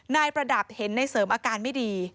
ประดับเห็นในเสริมอาการไม่ดี